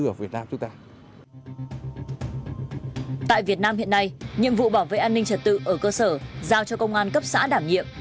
tại việt nam hiện nay nhiệm vụ bảo vệ an ninh trật tự ở cơ sở giao cho công an cấp xã đảm nhiệm